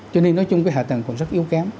cho nên nói chung cái hạ tầng còn rất yếu kém